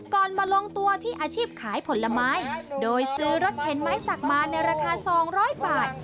มาลงตัวที่อาชีพขายผลไม้โดยซื้อรถเข็นไม้สักมาในราคา๒๐๐บาท